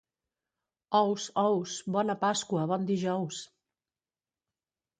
Ous, ous, bona Pasqua, bon dijous!